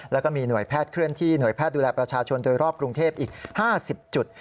แล้วก็มีหน่วยแพทย์เคลื่อนที่หน่วยแพทย์ดูแลประชาชนโดยรอบกรุงเทพอีก๕๐จุด